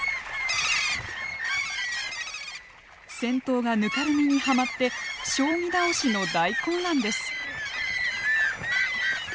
先頭がぬかるみにはまって将棋倒しの大混乱です。